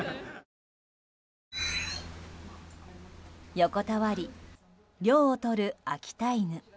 横たわり、涼をとる秋田犬。